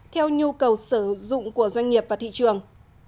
theo nhu cầu sử dụng của doanh nghiệp và thị trường